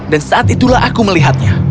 dan saat itulah aku melihatnya